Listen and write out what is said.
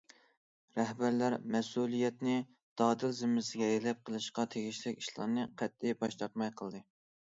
رەھبەرلەر مەسئۇلىيەتنى دادىل زىممىسىگە ئېلىپ، قىلىشقا تېگىشلىك ئىشلارنى قەتئىي باش تارتماي قىلدى.